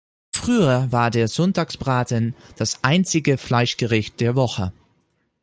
Früher war der Sonntagsbraten das einzige Fleischgericht der Woche.